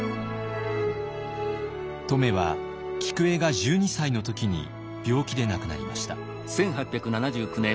乙女は菊栄が１２歳の時に病気で亡くなりました。